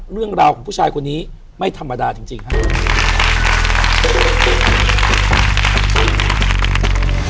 เรื่องราวของผู้ชายคนนี้ไม่ธรรมดาจริงครับ